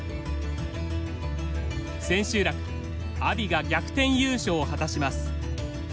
千秋楽阿炎が逆転優勝を果たします。